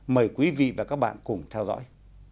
mời quý vị và các bạn cùng theo dõi